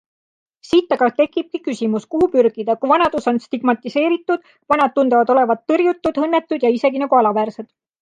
Siit aga tekibki küsimus, kuhu pürgida, kui vanadus on stigmatiseeritud, vanad tunduvad olevat tõrjutud, õnnetud ja isegi nagu alaväärsed?